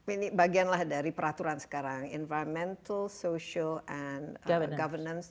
ini bagianlah dari peraturan sekarang environmental social and governance